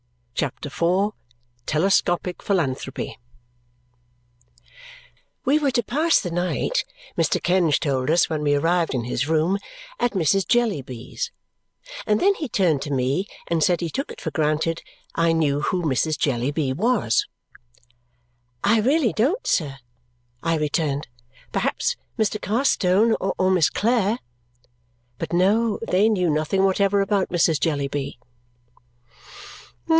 CHAPTER IV Telescopic Philanthropy We were to pass the night, Mr. Kenge told us when we arrived in his room, at Mrs. Jellyby's; and then he turned to me and said he took it for granted I knew who Mrs. Jellyby was. "I really don't, sir," I returned. "Perhaps Mr. Carstone or Miss Clare " But no, they knew nothing whatever about Mrs. Jellyby.